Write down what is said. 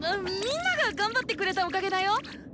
みんなが頑張ってくれたおかげだよ。